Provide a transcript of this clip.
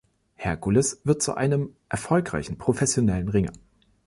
Herkules wird zu einem erfolgreichen professionellen Ringer.